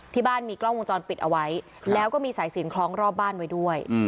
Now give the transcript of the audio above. ที่บ้านมีกล้องวงจรปิดเอาไว้แล้วก็มีสายสินคล้องรอบบ้านไว้ด้วย